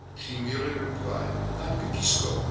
She merely replied, "Non capisco."